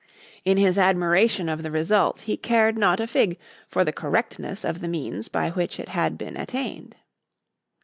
In his admiration of the result he cared not a fig for the correctness of the means by which it had been attained.